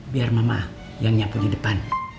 biar mama yang nyapu di depan